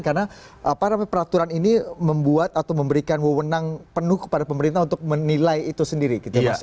karena peraturan ini membuat atau memberikan wewenang penuh kepada pemerintah untuk menilai itu sendiri